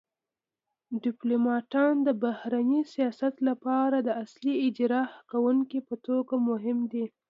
ډیپلوماتان د بهرني سیاست لپاره د اصلي اجرا کونکو په توګه مهم دي